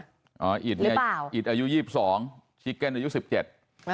อ๋ออิตเนี้ยหรือเปล่าอิตอายุยี่สิบสองชิคเก้นอายุสิบเจ็ด